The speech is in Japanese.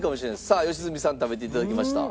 さあ良純さん食べていただきました。